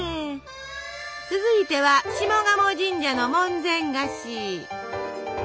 続いては下鴨神社の門前菓子。